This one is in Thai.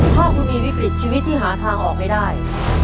ถ้าคุณมีวิกฤตชีวิตที่หาทางออกไม่ได้